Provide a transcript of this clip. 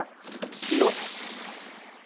ピロッ。